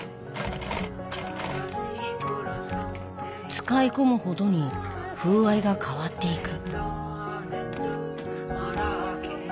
使い込むほどに風合いが変わっていく。